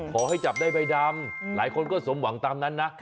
ขอให้จับได้ใบดำหลายคนก็สมหวังตามนั้นนะ